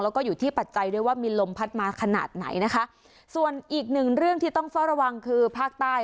แล้วก็อยู่ที่ปัจจัยด้วยว่ามีลมพัดมาขนาดไหนนะคะส่วนอีกหนึ่งเรื่องที่ต้องเฝ้าระวังคือภาคใต้